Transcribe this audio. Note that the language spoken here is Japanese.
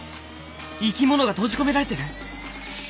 生きものが閉じ込められてる！？